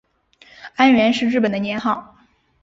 安元是日本的年号。